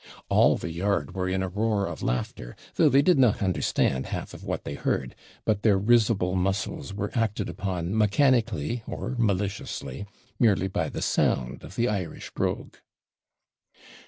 All the yard were in a roar of laughter, though they did not understand half of what they heard; but their risible muscles were acted upon mechanically, or maliciously, merely by the sound of the Irish brogue.